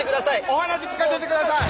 お話し聞かせてください！